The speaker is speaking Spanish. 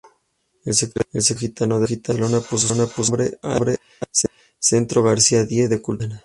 El Secretariado Gitano de Barcelona puso su nombre al "Centro García-Díe de Cultura Gitana".